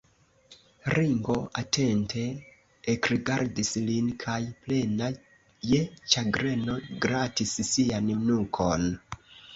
Ringo atente ekrigardis lin kaj plena je ĉagreno gratis sian nukon.